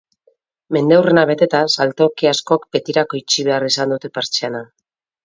Mendeurrena beteta saltoki askok betirako itxi behar izan dute pertsiana.